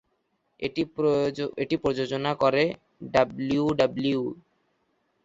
এটি প্রযোজনা করে ডাব্লিউডাব্লিউই।